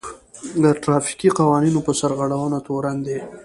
د ټرافيکي قوانينو په سرغړونه تورن دی.